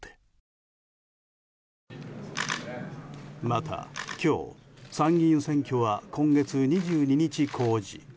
また今日、参議院選挙は今月２２日公示